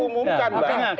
ini kan udah diumumkan